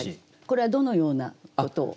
これはどのようなことを？